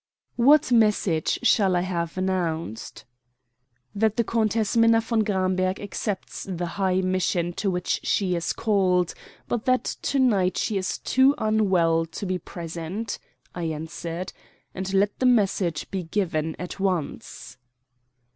"What message shall I have announced?" "That the Countess Minna von Gramberg accepts the high mission to which she is called, but that to night she is too unwell to be present," I answered; "and let the message be given at once."